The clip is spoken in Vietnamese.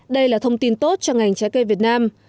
đây là thông tin tốt cho ngành trái cây việt nam